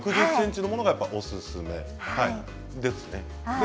６０ｃｍのものがおすすめですね。